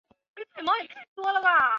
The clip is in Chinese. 西部群岛。